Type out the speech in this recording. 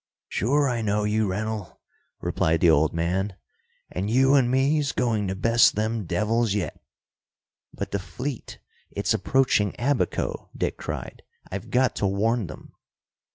"Sure I know you, Rennell," replied the old man. "And you and me's going to best them devils yet." "But the fleet it's approaching Abaco," Dick cried. "I've got to warn them."